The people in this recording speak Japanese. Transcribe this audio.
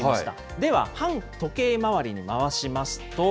では、反時計回りに回しますと。